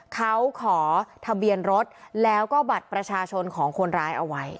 เขาขอทะเบียนรถแล้วก็บัตรประชาชนของคนร้ายเอาไว้